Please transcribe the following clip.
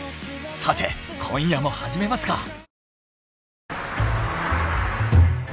さて今夜も始めますか。